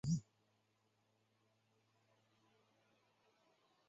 圣多明尼克市集是如圣诞市集或啤酒节一样的欧洲大型文化集市活动。